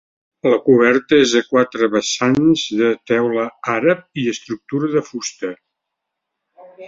La coberta és a quatre vessants, de teula àrab i estructura de fusta.